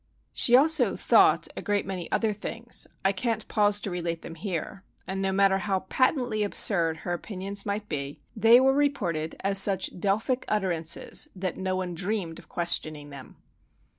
She also "thought" a great many other things,—I can't pause to relate them here,—and no matter how patently absurd her opinions might be, they were reported as such Delphic utterances that no one dreamed of questioning them.